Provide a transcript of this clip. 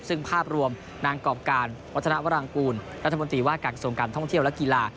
ซึ่งภาพรวมนางกรอบการวัฒนาวรังกูลรัฐมนตรีว่าการกระทรวงการท่องเที่ยวและกีฬา